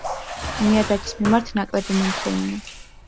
ნიადაგის მიმართ ნაკლებმომთხოვნია.